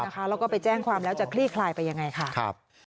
แล้วก็ไปแจ้งความแล้วจะคลี่คลายไปยังไงค่ะ